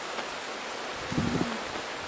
他的想法路人都能知道了。